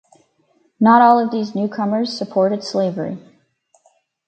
Not all of these newcomers supported slavery.